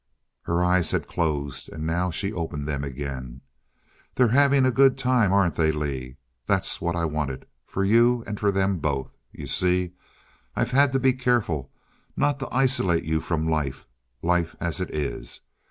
Her eyes had closed, and now she opened them again. "They're having a good time, aren't they, Lee? That's what I wanted for you and them both. You see, I've had to be careful not to isolate you from life life as it is.